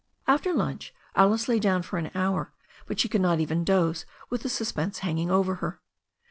After lunch Alice lay down for an hour, but she could not even doze with the suspense hanging over her.